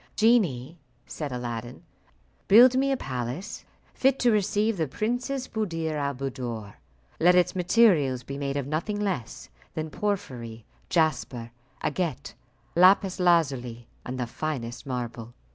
"Genie," said Aladdin, "build me a palace fit to receive the Princess Buddir al Buddoor. Let its materials be made of nothing less than porphyry, jasper, agate, lapis lazuli, and the finest marble.